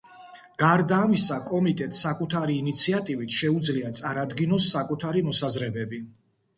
გარდა ამისა, კომიტეტს საკუთარი ინიციატივით შეუძლია წარადგინოს საკუთარი მოსაზრებები.